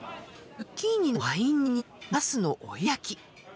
ズッキーニのワイン煮にナスのオイル焼き！